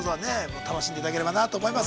楽しんでいただければなと思います。